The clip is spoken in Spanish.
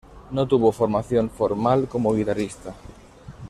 No tuvo formación formal como guitarrista.